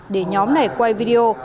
để nhóm này quay video